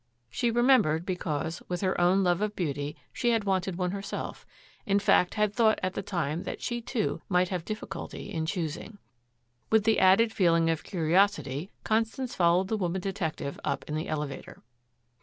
She remembered because, with her own love of beauty, she had wanted one herself, in fact had thought at the time that she, too, might have difficulty in choosing. With the added feeling of curiosity, Constance followed the woman detective up in the elevator.